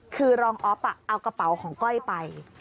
คือรองอ๊อฟเอากระเป๋าของก้อยไป